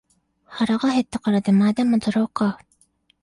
腹が減ったから出前でも取ろうか